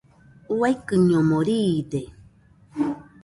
Uaikɨñomo riide.